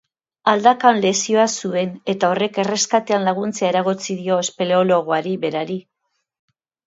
Aldakan lesioa zuen eta horrek erreskatean laguntzea eragotzi dio espeleologoari berari.